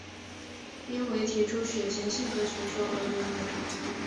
因为提出血型性格学说而闻名。